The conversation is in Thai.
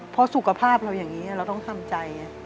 เพราะสุขภาพเราอย่างนี้เราต้องทำใจไง